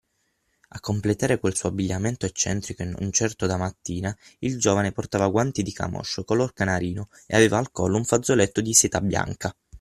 A completare quel suo abbigliamento eccentrico e non certo da mattina, il giovane portava guanti di camoscio color canarino e aveva al collo un fazzoletto di seta bianca.